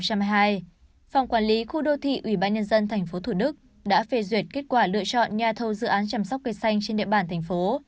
phòng quản lý khu đô thị ủy ban nhân dân tp thủ đức đã phê duyệt kết quả lựa chọn nhà thầu dự án chăm sóc cây xanh trên địa bàn thành phố